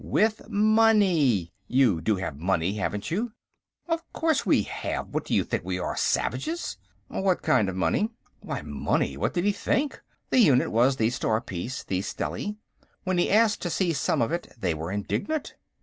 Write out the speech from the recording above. "With money. You do have money, haven't you?" "Of course we have. What do you think we are, savages?" "What kind of money?" Why, money; what did he think? The unit was the star piece, the stelly. When he asked to see some of it, they were indignant.